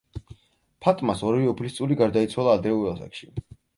ფატმას ორივე უფლისწული გარდაიცვალა ადრეულ ასაკში.